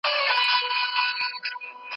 مړه دې وي دښمنان.